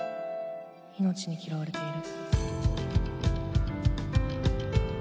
「命に嫌われている。」。